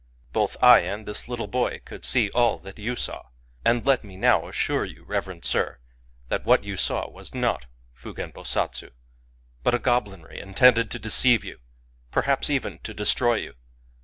Both I and this little boy could see all that you saw. And let me now assure you, reverend sir, that what you saw was not Fugen Bosatsu, but a goblinry intended to deceive you — perhaps even to destroy you.